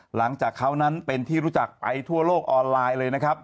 หลังจากเขานั้นเป็นที่รู้จักไปทั่วโลกออนไลน์เลยนะครับ